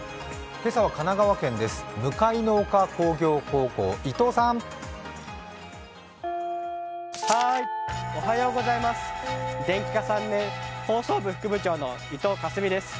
今朝は神奈川県です。